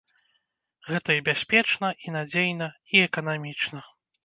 Гэта і бяспечна, і надзейна, і эканамічна.